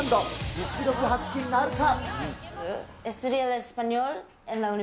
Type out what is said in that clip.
実力発揮なるか？